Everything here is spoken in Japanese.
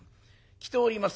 着ております